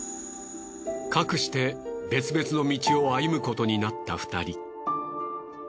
かくして別々の道を歩むことになった２人。